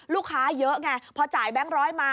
ลูกค้าเยอะไงพอจ่ายแบงค์ร้อยมา